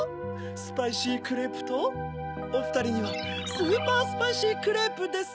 スパイシークレープとおふたりにはスーパースパイシークレープです。